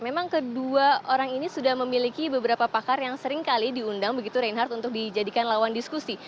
memang kedua orang ini sudah memiliki beberapa pakar yang seringkali diundang begitu reinhardt untuk dijadikan lawan diskusi